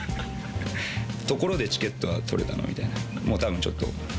ところでチケットは取れたの？みたいな、もうたぶん、ちょっと。